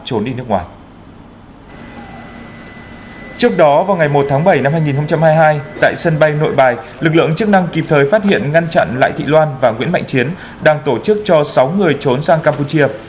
trước đó vào ngày một tháng bảy năm hai nghìn hai mươi hai tại sân bay nội bài lực lượng chức năng kịp thời phát hiện ngăn chặn lại thị loan và nguyễn mạnh chiến đang tổ chức cho sáu người trốn sang campuchia